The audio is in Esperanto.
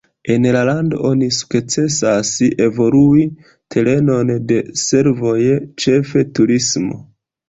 En la lando oni sukcesas evolui terenon de servoj, ĉefe turismo.